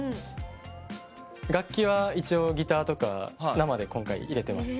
楽器は一応ギターとか生で今回入れてます。